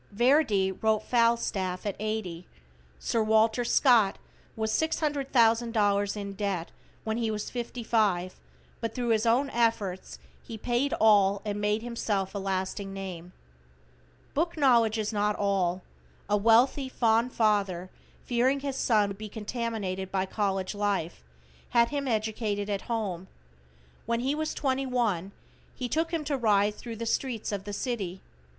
Verdi wrote "Falstaff" at eighty. Sir Walter Scott was $600,000 in debt when he was fifty five, but thru his own efforts he paid all and made himself a lasting name. Book knowledge is not all. A wealthy, fond father, fearing his son would be contaminated by college life, had him educated at home. When he was twenty one, he took him to ride thru the streets of the city.